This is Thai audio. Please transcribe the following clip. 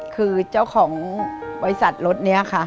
คือเจ้าของบริษัทรถนี้ค่ะ